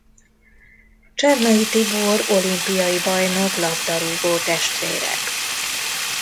Csernai Tibor olimpiai bajnok labdarúgó testvére.